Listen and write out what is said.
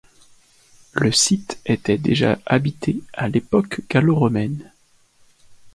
Le site était déjà habité à l'époque gallo-romaine.